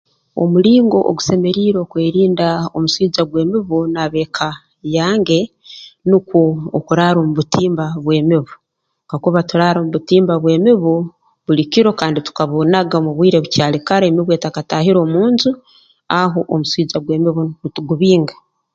Omulingo ogusemeriire okwerinda omuswija gw'emibu n'ab'eka yange nukwo okuraara omu butimba bw'emibu kakuba turaara omu butimba bw'emibu buli kiro kandi tukabunaga mu bwire bukyali kara emibu etakataahire omu nju aho omuswija gw'emibu nitugubinga